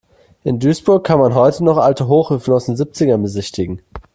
In Duisburg kann man heute noch alte Hochöfen aus den Siebzigern besichtigen.